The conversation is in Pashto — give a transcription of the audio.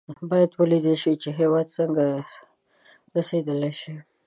باید ولېدل شي چې هېواد څنګه رسېدای شي.